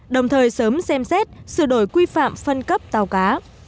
đồng thời sớm xem xét sửa đổi quy phạm phân cấp tàu cá